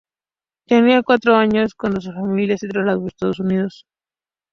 Tenía cuatro años cuando su familia se trasladó a Estados Unidos.